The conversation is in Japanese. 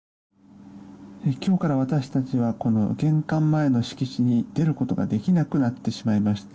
今日から私たちは玄関前の敷地に出ることができなくなってしまいました。